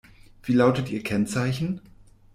Wie lautet ihr Kennzeichen?